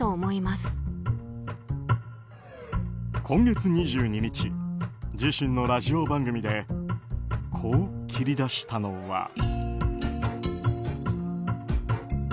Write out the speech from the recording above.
今月２２日自身のラジオ番組でこう切り出したのは。